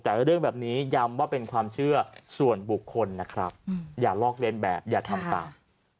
แต่เรื่องแบบนี้ย้ำว่าเป็นความเชื่อส่วนบุคคลนะครับอย่าลอกเลียนแบบอย่าทำตาม